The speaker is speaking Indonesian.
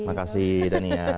terima kasih dania